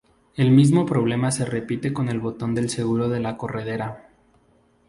El mismo problema se repite con el botón del seguro de la corredera.